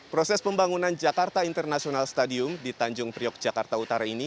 proses pembangunan jakarta international stadium di tanjung priok jakarta utara ini